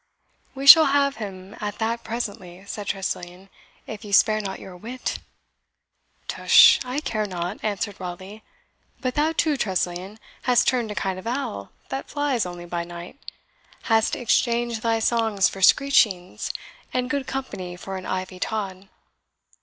"We shall have him at that presently," said Tressilian, "if you spare not your wit." "Tush, I care not," answered Raleigh; "but thou too, Tressilian, hast turned a kind of owl, that flies only by night hast exchanged thy songs for screechings, and good company for an ivy tod."